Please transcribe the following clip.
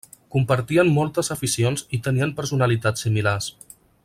Compartien moltes aficions i tenien personalitats similars.